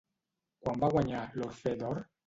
Quan va guanyar l'Orphée d'Or?